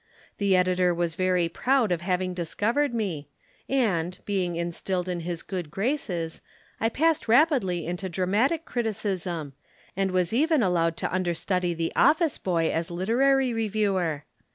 The editor was very proud of having discovered me, and, being installed in his good graces, I passed rapidly into dramatic criticism, and was even allowed to understudy the office boy as literary reviewer.